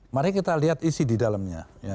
mari kita lihat isi di dalamnya